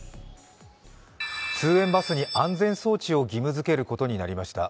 通園バスに安全装置を義務づけることになりました。